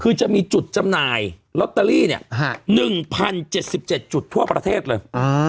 คือจะมีจุดจำนายเนี้ยฮะหนึ่งพันเจ็ดสิบเจ็ดจุดทั่วประเทศเลยอ๋อ